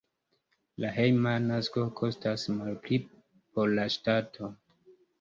La hejma nasko kostas malpli por la ŝtato.